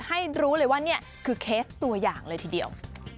ให้รู้เลยว่านี่คือเคสตัวอย่างเลยทีเดียว